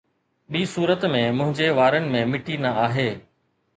ٻي صورت ۾، منهنجي وارن ۾ مٽي نه آهي